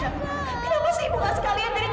kenapa ibu tak sekalian menerima penderitaan ibu